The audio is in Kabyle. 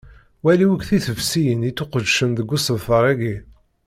Wali akk tisefsiyin ittusqedcen deg usebter-agi.